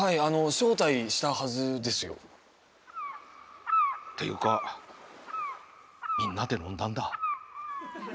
招待したはずですよ？っていうかみんなで飲んだんだ。